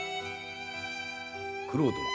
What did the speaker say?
九郎殿。